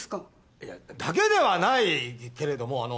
いやだけではないけれどもあの。